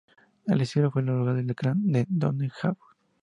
El castillo fue el hogar del clan O'Donoghue.